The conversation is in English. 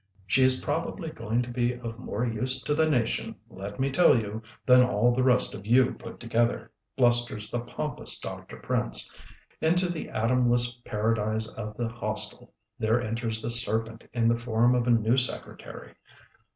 "She's probably going to be of more use to the nation, let me tell you, than all the rest of you put together," blusters the pompous Dr. Prince. Into the Adamless paradise of the Hostel, there enters the serpent in the form of a new secretary.